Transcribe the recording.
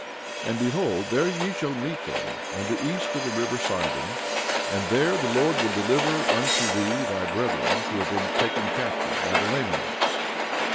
And behold there shall ye meet them, on the east of the river Sidon, and there the Lord will deliver unto thee thy brethren who have been taken captive by the Lamanites.